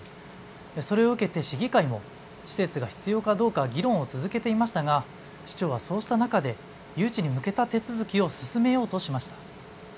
それを受けて市議会も施設が必要かどうか議論を続けていましたが市長はそうした中で誘致に向けた手続きを進めようとしました。